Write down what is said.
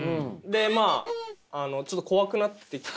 でまあちょっと怖くなってきて。